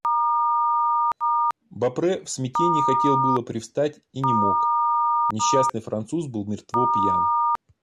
Бопре в смятении хотел было привстать и не мог: несчастный француз был мертво пьян.